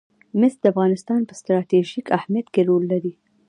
مس د افغانستان په ستراتیژیک اهمیت کې رول لري.